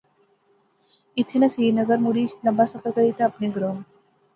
ایتھیں ناں سری نگر مڑی لمبا سفر کری تے اپنے گراں